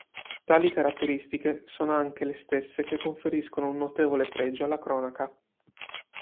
Tali caratteristiche sono anche le stesse che conferiscono un notevole pregio alla cronaca.